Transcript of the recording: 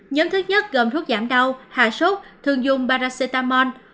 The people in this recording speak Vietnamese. nhóm thứ nhất gồm thuốc giảm đau hạ sốt thường dùng baracetamol